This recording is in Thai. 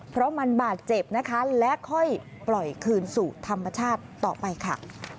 เพราะมันบาดเจ็บนะคะและค่อยปล่อยคืนสู่ธรรมชาติต่อไปค่ะ